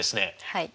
はい。